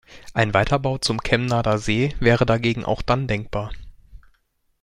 Ein Weiterbau zum Kemnader See wäre dagegen auch dann denkbar.